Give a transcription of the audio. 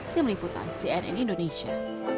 di meliputan cnn indonesia